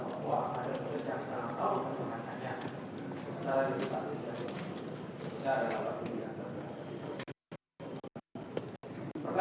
oke jadi itu adalah perpataan apa